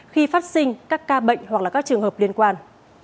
khi phát sinh các ca bệnh hoặc là các trường hợp liên quan